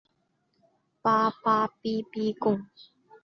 属名是以发现化石的迪布勒伊家庭为名。